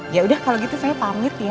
yaudah kalau gitu saya pamit ya